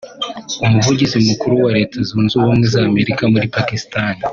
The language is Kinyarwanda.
Umuvugizi Mukuru wa Leta Zunze Ubumwe z’Amerika muri Pakistan